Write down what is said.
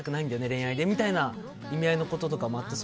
恋愛でみたいな意味合いなこともあって。